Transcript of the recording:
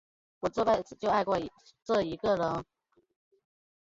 我这辈子就爱过这一个人。